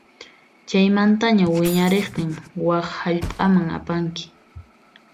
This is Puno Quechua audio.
Chaymantaña wiñariqtin wak hallp'aman apanki.